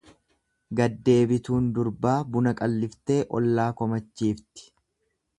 Gaddeebituun durbaa buna qalliftee ollaa komachiifti.